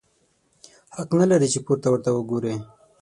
حق نه لرې چي پورته ورته وګورې!